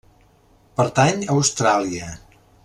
Pertany a Austràlia.